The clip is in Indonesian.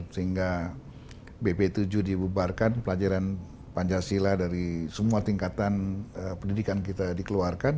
sehingga bp tujuh dibubarkan pelajaran pancasila dari semua tingkatan pendidikan kita dikeluarkan